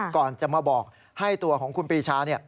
ก่อนจะมาบอกให้ตัวของคุณปรีชา